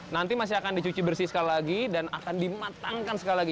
nanti masih akan dicuci bersih sekali lagi dan akan dimatangkan sekali lagi